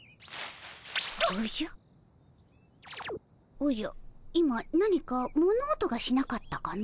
おじゃ今何か物音がしなかったかの？